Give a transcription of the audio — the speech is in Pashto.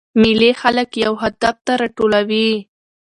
مېلې خلک یو هدف ته راټولوي.